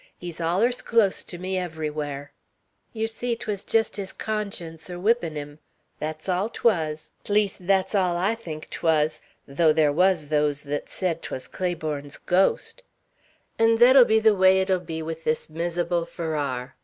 He's allers clost to me everywhar.' Yer see, 'twas jest his conscience er whippin' him. Thet's all 't wuz. 'T least, thet's all I think 't wuz; though thar wuz those thet said 't wuz Claiborne's ghost. 'N' thet'll be the way 't 'll be with this miser'ble Farrar.